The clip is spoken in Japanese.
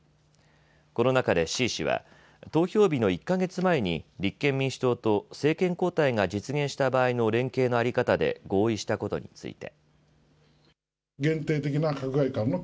この中で志位氏は投票日の１か月前に立憲民主党と政権交代が実現した場合の連携の在り方で合意したことについて。